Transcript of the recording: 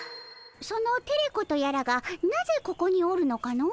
そのテレ子とやらがなぜここにおるのかの？